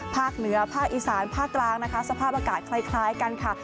ภาคเหนือภาคอีสานภาคกลางนะคะสภาพอากาศคล้ายกันค่ะ